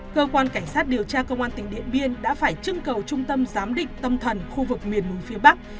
cơ quan cảnh sát điều tra công an tỉnh điện biên đã phải trưng cầu trung tâm giám định tâm thần khu vực miền núi phía bắc